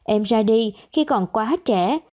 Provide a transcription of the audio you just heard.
em ra đi khi còn quá trẻ